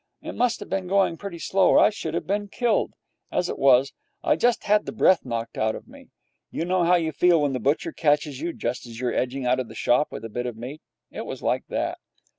It must have been going pretty slow, or I should have been killed. As it was, I just had the breath knocked out of me. You know how you feel when the butcher catches you just as you are edging out of the shop with a bit of meat. It was like that.